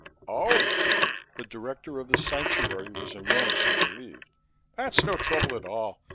"Oh!" The Director of the Sanctuary was enormously relieved. "That's no trouble at all.